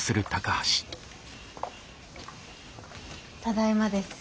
ただいまです。